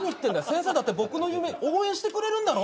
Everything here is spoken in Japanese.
先生だって僕の夢応援してくれるんだろ？